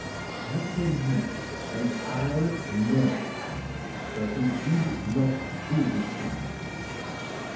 I tell you, and I know, that he did not do this thing."